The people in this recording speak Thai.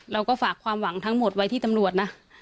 เราก็ฝากความหวังทั้งหมดไว้ที่ตำรวจนะ